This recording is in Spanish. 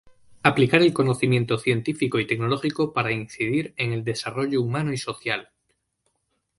Aplicar el conocimiento científico y tecnológico para incidir en el desarrollo humano y social.